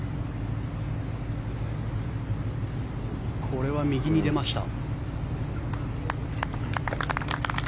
これは右に出ました。